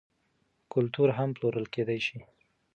کلتور هم پلورل کیدی شي.